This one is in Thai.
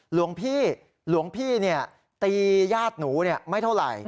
หลวงพี่หลวงพี่ตีญาติหนูไม่เท่าไหร่